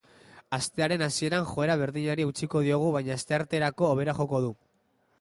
Astearen hasieran joera berdinari eutsiko diogu baina astearterako hobera joko du.